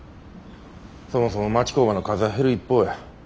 そもそも町工場の数は減る一方や。